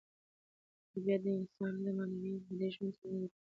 طبیعت د انسان د معنوي او مادي ژوند ترمنځ یو پل دی.